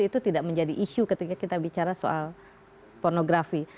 itu tidak menjadi isu ketika kita bicara soal pornografi